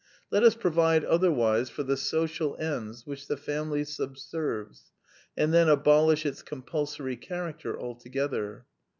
Let us provide otherwise for the social ends which the family subserves, and then abolish its compulsory character altogether."